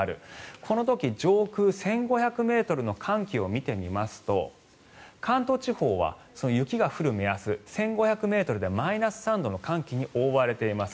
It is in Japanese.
この時、上空１５００ｍの寒気を見てみますと関東地方は雪が降る目安、１５００ｍでマイナス３度の寒気に覆われています。